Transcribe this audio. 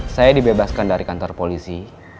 saya dibebaskan dari kantor polisi